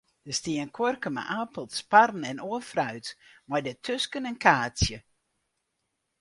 Der stie in kuorke mei apels, parren en oar fruit, mei dêrtusken in kaartsje.